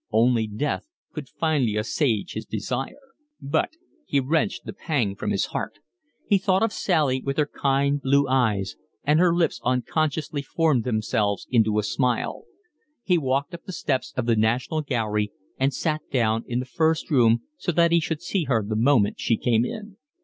Only death could finally assuage his desire. But he wrenched the pang from his heart. He thought of Sally, with her kind blue eyes; and his lips unconsciously formed themselves into a smile. He walked up the steps of the National Gallery and sat down in the first room, so that he should see her the moment she came in.